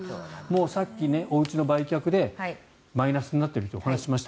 さっきおうちの売却でマイナスになっているとお話ししました。